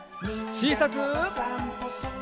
ちいさく。